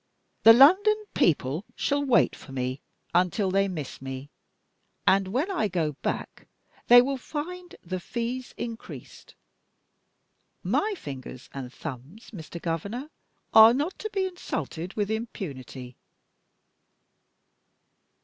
The London people shall wait for me, until they miss me and, when I do go back, they will find the fees increased. My fingers and thumbs, Mr. Governor, are not to be insulted with impunity."